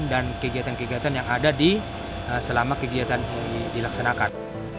dan kegiatan kegiatan yang ada selama kegiatan ini dilaksanakan